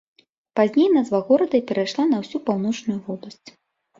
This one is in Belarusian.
Пазней назва горада перайшла на ўсю паўночную вобласць.